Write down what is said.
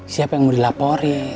siapa yang mau dilaporin